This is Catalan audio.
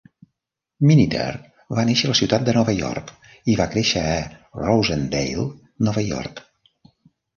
Miniter va néixer a la ciutat de Nova York i va créixer a Rosendale, Nova York.